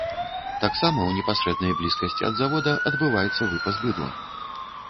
Таксама ў непасрэднай блізкасці ад завода адбываецца выпас быдла.